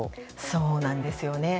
そうなんですよね。